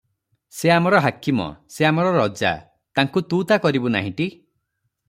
ସେ ଆମର ହାକିମ, ସେ ଆମର ରଜା ତାଙ୍କୁ ତୁ' ତା' କରିବୁ ନାହିଁଟି?